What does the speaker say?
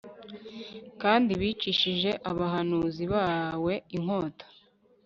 kandi bicishije abahanuzi bawe inkota